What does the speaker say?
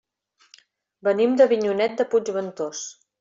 Venim d'Avinyonet de Puigventós.